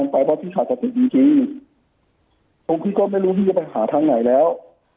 พบที่ก็ไม่รู้ที่มาหาทางไหนแล้ว